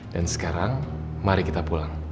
sekarang mari kita pulang